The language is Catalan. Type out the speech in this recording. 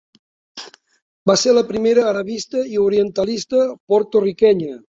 Va ser la primera arabista i orientalista porto-riquenya.